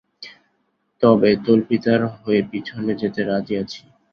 তবে তল্পিদার হয়ে পিছনে যেতে রাজি আছি।